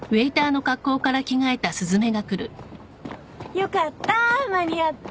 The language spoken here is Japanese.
よかった間に合って。